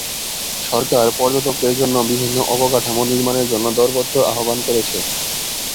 সরকার পর্যটকদের জন্য বিভিন্ন অবকাঠামো নির্মাণের জন্য দরপত্র আহ্বান করেছে।